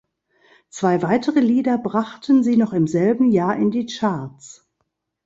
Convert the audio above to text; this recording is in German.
Zwei weitere Lieder brachten sie noch im selben Jahr in die Charts.